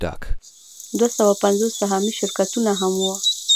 دوه سوه پنځوس سهامي شرکتونه هم وو